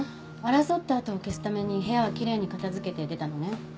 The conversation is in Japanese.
争った跡を消すために部屋はきれいに片づけて出たのね。